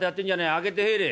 開けて入れ」。